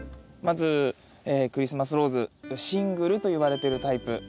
まずクリスマスローズシングルといわれてるタイプ。